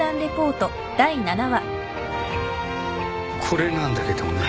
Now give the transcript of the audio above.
これなんだけどもね。